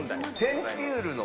テンピュールの？